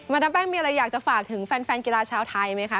ดามแป้งมีอะไรอยากจะฝากถึงแฟนกีฬาชาวไทยไหมคะ